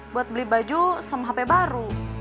buat beli baju sama hp baru